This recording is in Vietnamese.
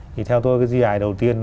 thì theo tôi cái di hại đầu tiên